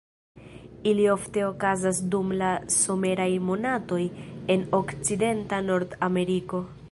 Ili ofte okazas dum la someraj monatoj en okcidenta Nord-Ameriko.